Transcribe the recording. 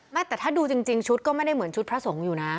ไม่แต่ถ้าดูจริงชุดก็ไม่ได้เหมือนชุดพระสงฆ์อยู่นะ